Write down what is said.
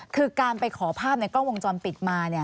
คือการไปขอภาพในกล้องวงจรปิดมา